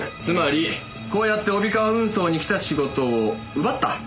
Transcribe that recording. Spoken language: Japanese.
つまりこうやって帯川運送にきた仕事を奪った。